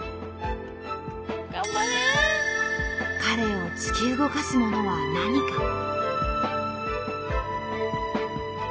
彼を突き動かすものは何か？